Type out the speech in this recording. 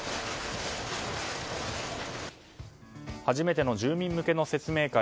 初めての住民向けの説明会。